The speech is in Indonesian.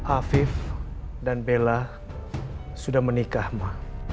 afif dan bella sudah menikah ma